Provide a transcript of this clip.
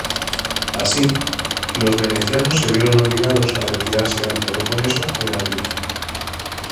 Así, los venecianos se vieron obligados a retirarse al Peloponeso en abril.